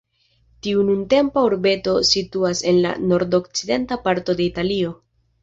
Tiu nuntempa urbeto situas en la nordokcidenta parto de Italio.